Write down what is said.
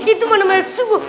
itu mana mana sungguh